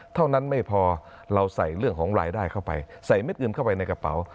เท่านั้นไม่พอเราใส่เรื่องของรายได้เข้าไปใส่เม็ดเงินเข้าไปในกระเป๋า